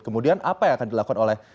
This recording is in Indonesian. kemudian apa yang akan dilakukan oleh